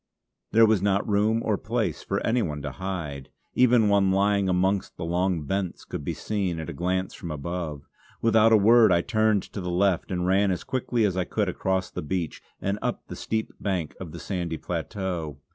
There was not room or place for any one to hide; even one lying amongst the long bents could be seen at a glance from above. Without a word I turned to the left and ran as quickly as I could across the beach and up the steep bank of the sandy plateau.